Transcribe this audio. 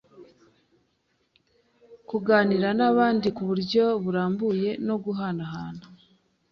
kuganira n’abandi ku buryo burambuye no guhanahana